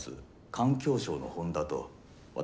環境省の本田と私